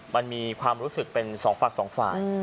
มันมีความรู้สึกเป็นสองฝั่งสองฝ่าย